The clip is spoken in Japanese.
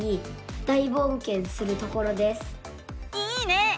いいね！